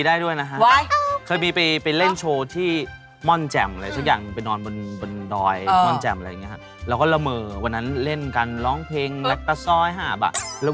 ไม่ได้เป็นละเมอลุกเดินใช่มั้ยฮะ